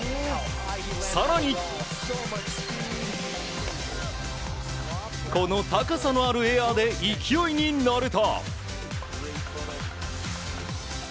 更に、この高さのあるエアで勢いに乗ると。